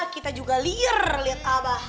kita juga liar lihat abah